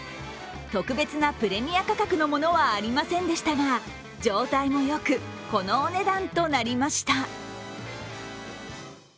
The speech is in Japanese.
特別なプレミア価格のものはありませんでしたが状態もよく、このお値段となりました。